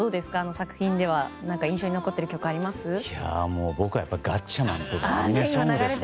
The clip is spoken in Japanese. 作品では印象に残っている曲ありますか？